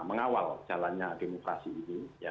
mengawal jalannya demokrasi ini